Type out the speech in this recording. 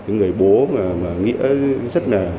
người bố mà nghĩa rất là